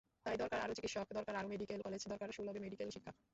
তাই দরকার আরও চিকিৎসক, দরকার আরও মেডিকেল কলেজ, দরকার সুলভে মেডিকেল শিক্ষা।